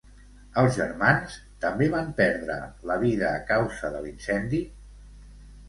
Els germans també van perdre la vida a causa de l'incendi?